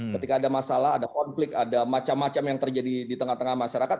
ketika ada masalah ada konflik ada macam macam yang terjadi di tengah tengah masyarakat